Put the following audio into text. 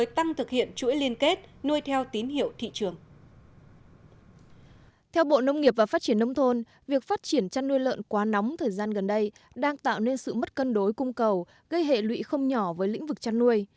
theo bộ nông nghiệp và phát triển nông thôn việc phát triển chăn nuôi lợn quá nóng thời gian gần đây đang tạo nên sự mất cân đối cung cầu gây hệ lụy không nhỏ với lĩnh vực chăn nuôi